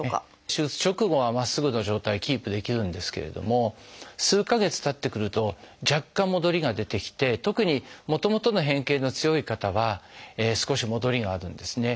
手術直後はまっすぐの状態キープできるんですけれども数か月たってくると若干戻りが出てきて特にもともとの変形の強い方は少し戻りがあるんですね。